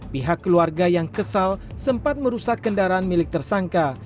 pihak keluarga yang kesal sempat merusak kendaraan milik tersangka